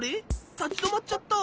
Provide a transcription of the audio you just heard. たちどまっちゃった。